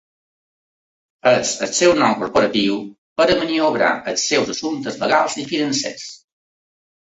És el seu nom corporatiu per a maniobrar els seus assumptes legals i financers.